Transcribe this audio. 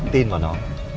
tin vào nó